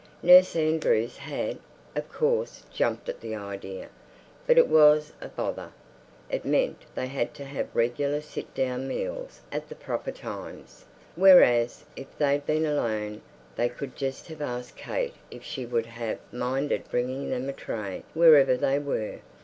Nurse Andrews had, of course, jumped at the idea. But it was a bother. It meant they had to have regular sit down meals at the proper times, whereas if they'd been alone they could just have asked Kate if she wouldn't have minded bringing them a tray wherever they were.